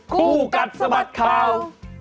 กูกัดสมัครขาว